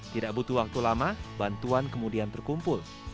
tidak butuh waktu lama bantuan kemudian terkumpul